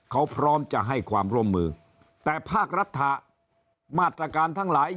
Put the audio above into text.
เขาพร้อมจะให้ความร่วมมือแต่ภาครัฐมาตรการทั้งหลาย